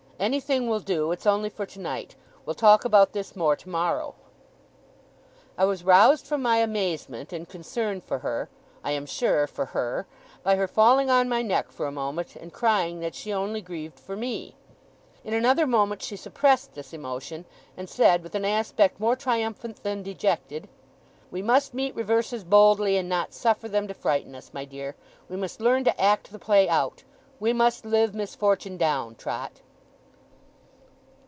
Anything will do. It's only for tonight. We'll talk about this, more, tomorrow.' I was roused from my amazement, and concern for her I am sure, for her by her falling on my neck, for a moment, and crying that she only grieved for me. In another moment she suppressed this emotion; and said with an aspect more triumphant than dejected: 'We must meet reverses boldly, and not suffer them to frighten us, my dear. We must learn to act the play out. We must live misfortune down, Trot!